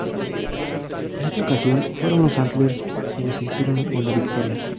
En esta ocasión fueron los Antlers quienes se hicieron con la victoria.